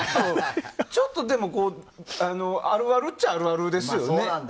ちょっとでも、あるあるっちゃあるあるですよね。